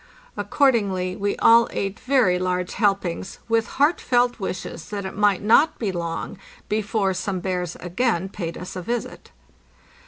Accordingly we all ate very large helpings, with heartfelt wishes that it might not be long before some bears again paid us a visit.